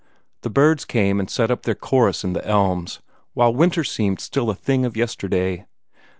The birds came and set up their chorus in the elms, while winter seemed still a thing of yesterday.